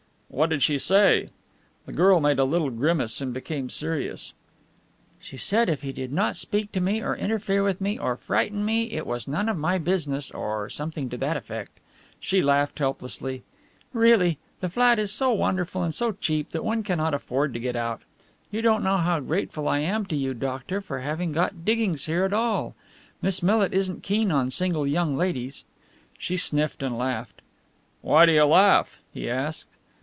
'" "What did she say?" The girl made a little grimace and became serious. "She said if he did not speak to me or interfere with me or frighten me it was none of my business, or something to that effect." She laughed helplessly. "Really, the flat is so wonderful and so cheap that one cannot afford to get out you don't know how grateful I am to you, doctor, for having got diggings here at all Miss Millit isn't keen on single young ladies." She sniffed and laughed. "Why do you laugh?" he asked.